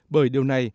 bởi điều này